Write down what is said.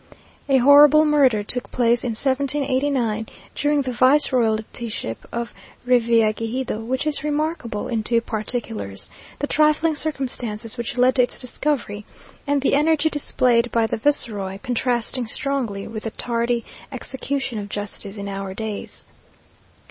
A horrible murder took place in 1789, during the vice royaltyship of Revillagigedo, which is remarkable in two particulars; the trifling circumstances which led to its discovery, and the energy displayed by the viceroy, contrasting strongly with the tardy execution of justice in our days.